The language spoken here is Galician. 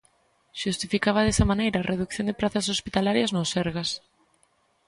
Xustificaba desa maneira a redución de prazas hospitalarias no Sergas.